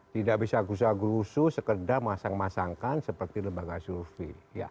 tidak bisa gesa gerusu sekedar masang masangkan seperti lembaga survei